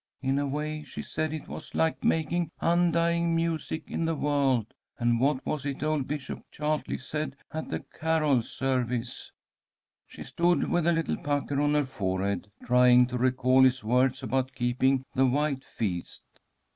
In a way she said it was like making 'undying music in the world.' And what was it old Bishop Chartley said at the carol service?" She stood with a little pucker on her forehead, trying to recall his words about keeping the White Feast.